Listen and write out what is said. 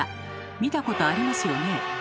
見たことありますよね。